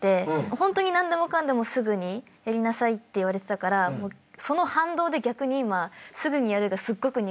ホントに何でもかんでもすぐにやりなさいって言われてたからその反動で逆に今すぐにやるがすっごく苦手に。